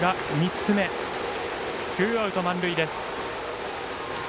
ツーアウト満塁です。